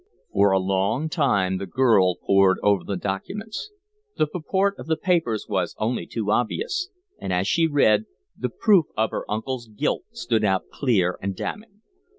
For a long time the girl pored over the documents. The purport of the papers was only too obvious; and, as she read, the proof of her uncle's guilt stood out clear and damning.